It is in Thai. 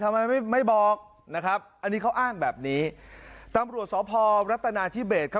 ทำไมไม่บอกนะครับอันนี้เขาอ้างแบบนี้ตำรัฐนาที่เบสครับ